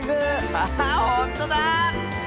アハほんとだ！